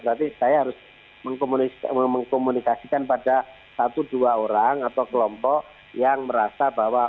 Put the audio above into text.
berarti saya harus mengkomunikasikan pada satu dua orang atau kelompok yang merasa bahwa